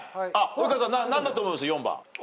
及川さん何だと思います？